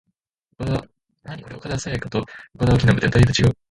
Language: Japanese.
岡田紗佳と岡田彰布ではだいぶ違う